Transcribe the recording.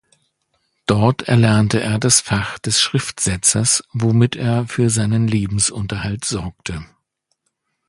Dort erlernte er das Fach des Schriftsetzers, womit er für sein Lebensunterhalt sorgte.